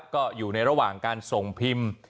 ก็อยู่ในระหว่างการส่งพิมพ์